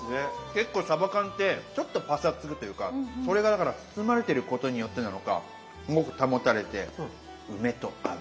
結構さば缶ってちょっとパサつくというかそれがだから包まれてることによってなのかすごく保たれて梅と合う。